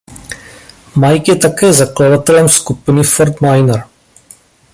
Mike je také zakladatelem skupiny Fort Minor.